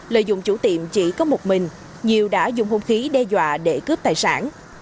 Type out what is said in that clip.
lợi dụng chủ tiệm chỉ có một mình nhiều đã dùng hôn khí đe dọa để cướp tài sản